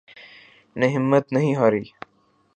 نے ہمت نہیں ہاری